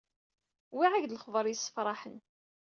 Wwiɣ-ak-d lexber yessefraḥen.